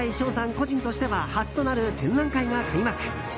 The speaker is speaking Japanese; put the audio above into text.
個人としては初となる展覧会が開幕。